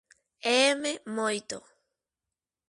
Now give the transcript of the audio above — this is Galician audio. Éme moito.